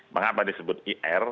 mengapa disebut ir